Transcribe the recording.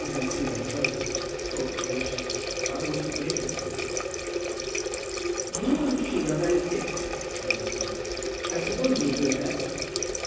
Van Siever had told her. Poor creature! How are we to break this to her?" "You and she are very thick," said Musselboro. "I suppose you'll do it best."